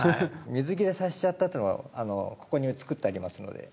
水切れさせちゃったというのをここにつくってありますので。